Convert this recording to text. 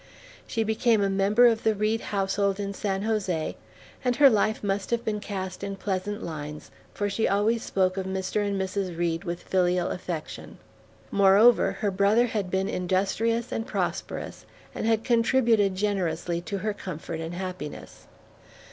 She became a member of the Reed household in San Jose, and her life must have been cast in pleasant lines, for she always spoke of Mr. and Mrs. Reed with filial affection. Moreover, her brother had been industrious and prosperous, and had contributed generously to her comfort and happiness.